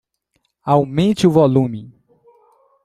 Aumente o volume.